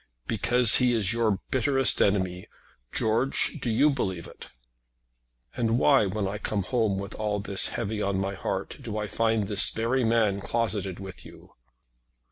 "Because he is your bitterest enemy. George, do you believe it?" "And why, when I come home with all this heavy on my heart, do I find this very man closeted with you?"